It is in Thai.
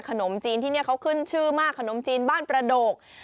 ขนมจีนที่นี่เขาขึ้นชื่อมากขนมจีนบ้านประโดก